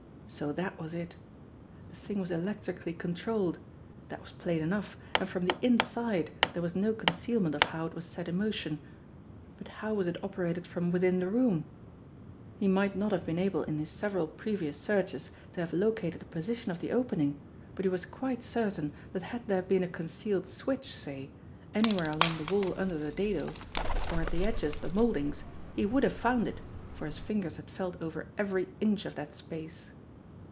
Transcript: So that was it! The thing was electrically controlled. That was plain enough, and from the inside there was no concealment of how it was set in motion ; but how was it operated from within the room ? He might not have been able in his several previous searches to have located the position of the opening, but he was quite certain that had there been a concealed switch, say, any where along the wall under the dado, or at the edges of the mouldings, he would have found it, for his fingers had felt over every inch of that space.